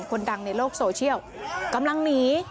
คนดังในโลกโซเชียลกำลังหนี